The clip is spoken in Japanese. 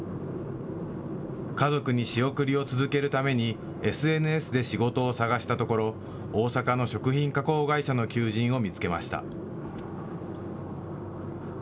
家族に仕送りを続けるためにＳＮＳで仕事を探したところ大阪の食品加工会社の求人を見つけました。